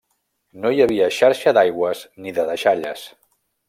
No hi havia xarxa d'aigües ni de deixalles.